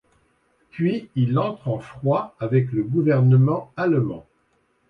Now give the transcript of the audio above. Puis il entre en froid avec le gouvernement allemand.